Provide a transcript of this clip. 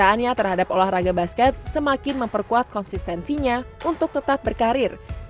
kecintaannya terhadap olahraga basket semakin memperkuat konsistensinya untuk tetap berkumpul dengan kepentingan